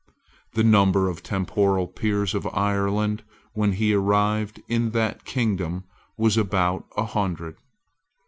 The number of temporal peers of Ireland, when he arrived in that kingdom, was about a hundred.